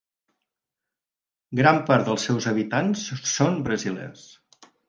Gran part dels seus habitants són brasilers.